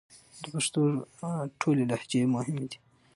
د پښتو ټولې لهجې مهمې دي